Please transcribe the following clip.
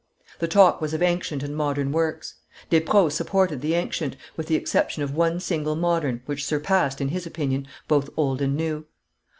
The talk was of ancient and modern works. Despreaux supported the ancient, with the exception of one single modern, which surpassed, in his opinion, both old and new.